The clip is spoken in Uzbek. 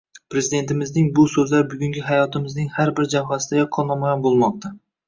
Prezidentimizning bu so‘zlari bugungi hayotimizning har bir jabhasida yaqqol namoyon bo‘lmoqda